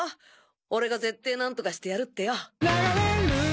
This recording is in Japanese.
俺がぜってぇ何とかしてやるってよ。